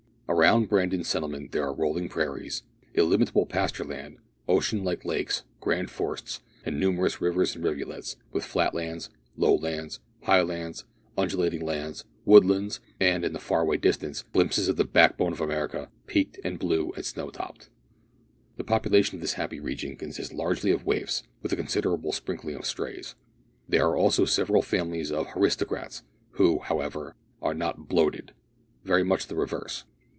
Around Brandon Settlement there are rolling prairies, illimitable pasture land, ocean like lakes, grand forests, and numerous rivers and rivulets, with flat lands, low lands, high lands, undulating lands, wood lands, and, in the far away distance, glimpses of the back bone of America peaked, and blue, and snow topped. The population of this happy region consists largely of waifs with a considerable sprinkling of strays. There are also several families of "haristocrats," who, however, are not "bloated" very much the reverse.